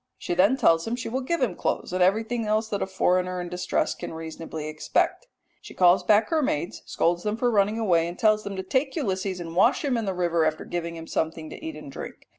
She then tells him she will give him clothes and everything else that a foreigner in distress can reasonably expect. She calls back her maids, scolds them for running away, and tells them to take Ulysses and wash him in the river after giving him something to eat and drink.